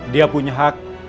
dia punya hak